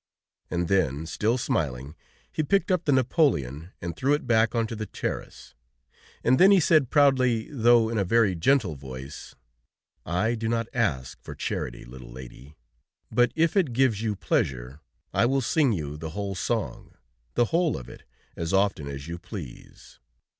And then, still smiling, he picked up the napoleon and threw it back onto the terrace, and then he said proudly, though in a very gentle voice: "I do not ask for charity, little lady; but if it gives you pleasure, I will sing you the whole song, the whole of it, as often as you please."